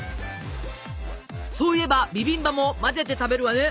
そういえばビビンバも混ぜて食べるわね。